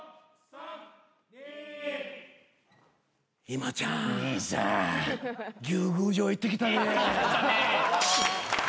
今ちゃん牛宮城行ってきたで。